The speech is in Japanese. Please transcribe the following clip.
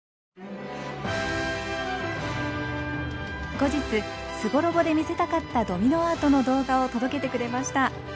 後日「超絶機巧」で見せたかったドミノアートの動画を届けてくれました。